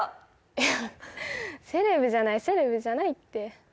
いやセレブじゃないセレブじゃないって